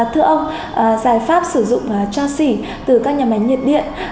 thưa ông giải pháp sử dụng cho xỉ từ các nhà máy nhiệt điện